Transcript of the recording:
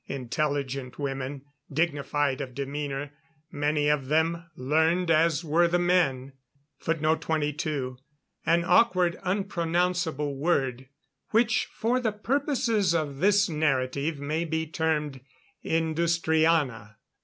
Intelligent women, dignified of demeanor; many of them learned as were the men. [Footnote 22: An awkward, unpronounceable word which for the purposes of this narrative may be termed Industriana.